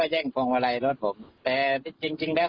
กลับมารับทราบ